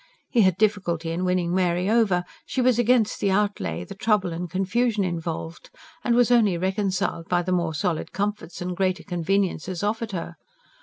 He had difficulty in winning Mary over; she was against the outlay, the trouble and confusion involved; and was only reconciled by the more solid comforts and greater conveniences offered her.